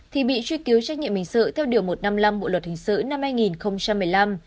thì bị truy cứu trách nhiệm hình sự theo điều một trăm năm mươi năm bộ luật hình sự năm hai nghìn một mươi năm